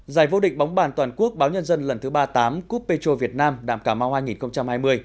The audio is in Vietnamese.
giải vô địch bóng bàn toàn quốc báo nhân dân lần thứ ba mươi tám cup petro việt nam đạm cà mau hai nghìn hai mươi